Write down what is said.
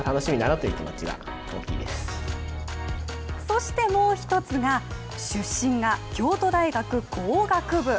そしてもう一つが出身は京都大学工学部。